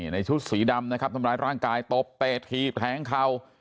ในชุดสีดำทำร้ายร่างกายตบเปดขีบแถงเข่า